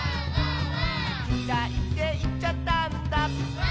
「きらいっていっちゃったんだ」